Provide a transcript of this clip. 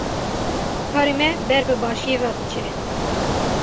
Karê me ber bi başiyê ve diçe.